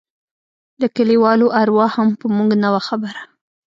د كليوالو اروا هم په موږ نه وه خبره.